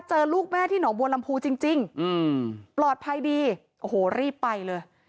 เจอลูกแม่ที่หนองบัวลำพูจริงปลอดภัยดีโอ้โหรีบไปเลย